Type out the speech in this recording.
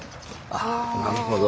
あっなるほど。